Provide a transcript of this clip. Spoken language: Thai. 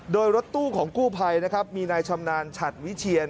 โดยรถตู้ของกู้ภัยนะครับมีนายชำนาญฉัดวิเชียน